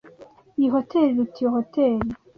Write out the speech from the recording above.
Iyi hoteri iruta iyo hoteri.